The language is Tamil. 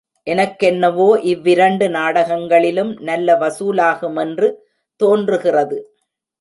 எனக்கென்னவோ இவ்விரண்டு நாடகங்களிலும் நல்ல வசூலாகுமென்று தோன்றுகிறது.